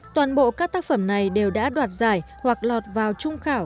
toàn bộ các tác phẩm này đều đã đoạt giải hoặc lọt vào trung khảo